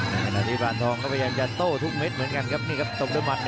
ขณะที่ปานทองก็พยายามจะโต้ทุกเม็ดเหมือนกันครับนี่ครับตบด้วยมัด